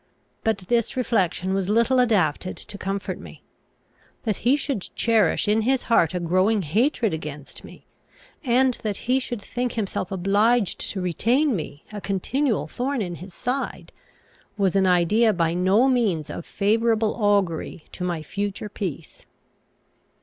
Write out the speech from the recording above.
But this reflection was little adapted to comfort me. That he should cherish in his heart a growing hatred against me, and that he should think himself obliged to retain me a continual thorn in his side, was an idea by no means of favourable augury to my future peace.